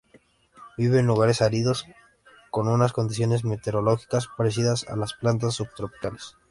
Vive en lugares áridos con unas condiciones meteorológicas parecidas a las plantas subtropicales.